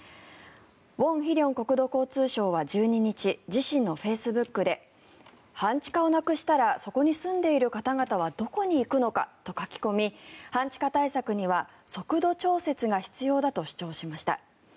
ウォン・ヒリョン国土交通相は１２日自身のフェイスブックで半地下をなくしたらそこに住んでいる方々はどこに行くのかと書き込み半地下対策には速度調節が必要だと主張しました。